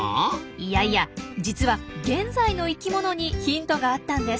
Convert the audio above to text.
いやいや実は現在の生きものにヒントがあったんです。